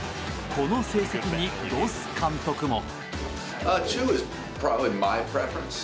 この成績にロス監督も。